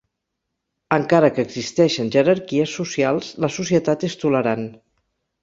Encara que existeixen jerarquies socials la societat és tolerant.